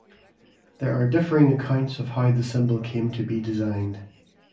There are differing accounts of how the symbol came to be designed.